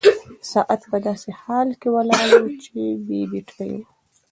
ساعت په داسې حال کې ولاړ و چې بې بيټرۍ و.